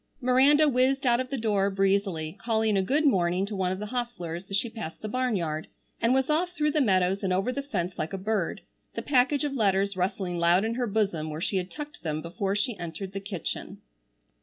Miranda whizzed out of the door breezily, calling a good morning to one of the hostlers as she passed the barnyard, and was off through the meadows and over the fence like a bird, the package of letters rustling loud in her bosom where she had tucked them before she entered the kitchen.